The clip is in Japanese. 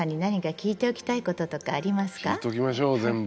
聞いときましょう全部。